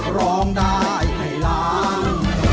ร้องได้ให้ล้าน